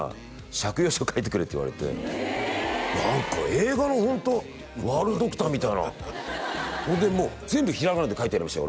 「借用書書いてくれ」って言われて何か映画のホント悪ドクターみたいなほんでもう全部ひらがなで書いてやりましたよ